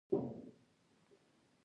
کاناډایان په ټوله نړۍ کې سفر کوي.